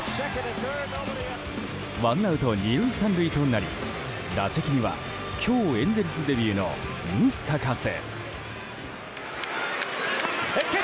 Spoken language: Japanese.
ワンアウト２塁３塁となり打席には今日エンゼルスデビューのムスタカス。